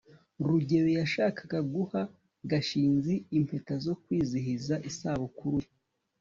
rugeyo yashakaga guha gashinzi impeta zo kwizihiza isabukuru ye